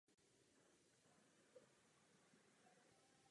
Pořádala se na území Berlína a Braniborska.